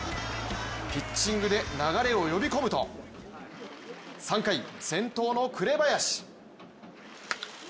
ピッチングで流れを呼び込むと３回、先頭の紅林。